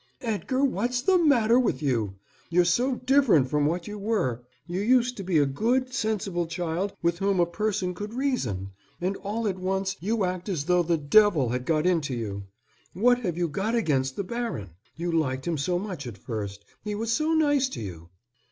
"Edgar, what's the matter with you? You're so different from what you were. You used to be a good, sensible child with whom a person could reason. And all at once you act as though the devil had got into you. What have you got against the baron? You liked him so much at first. He was so nice to you."